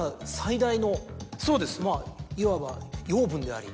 いわば養分であり。